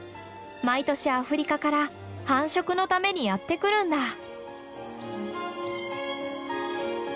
毎年アフリカから繁殖のためにやって来るんだ。